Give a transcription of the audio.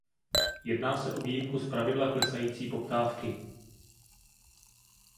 Jedná se o výjimku z pravidla klesající poptávky.